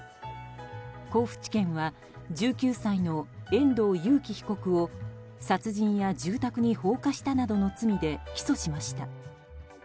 甲府地検は１９歳の遠藤裕喜被告を殺人や住宅に放火したなどの罪で起訴しました。